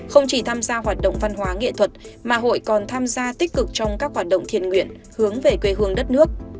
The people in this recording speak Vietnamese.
không chỉ tham gia hoạt động văn hóa nghệ thuật mà hội còn tham gia tích cực trong các hoạt động thiện nguyện hướng về quê hương đất nước